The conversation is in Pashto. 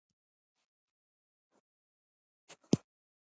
ازادي راډیو د د تګ راتګ ازادي په اړه د امنیتي اندېښنو یادونه کړې.